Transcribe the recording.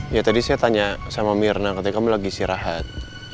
ya tadi saya tanya sama mirna ketika kamu lagi istirahat